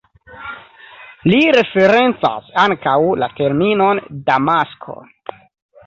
Li referencas ankaŭ la terminon damasko.